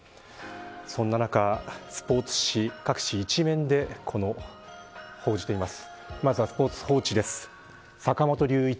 そんな中、スポーツ紙各紙一面でこれを報じています。